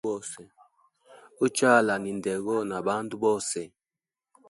Uchala ni ndego na bandu bose.